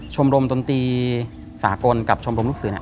ชมรมตนตรีสากลกับชมรมลูกเสือ